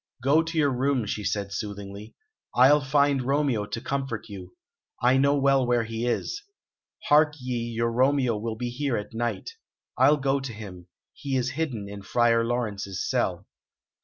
"Go to your room," she said soothingly. "I'll find Romeo to comfort you. I know well where he is. Hark ye, your Romeo will be here at night. I'll go to him; he is hidden in Friar Laurence's cell."